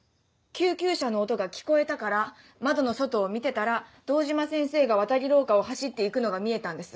「救急車の音が聞こえたから窓の外を見てたら堂島先生が渡り廊下を走って行くのが見えたんです」。